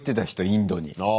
インドに。